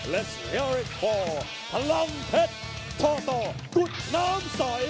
ทุกท่านพลังเผ็ดทัวร์ตุ๊ดน้ำใส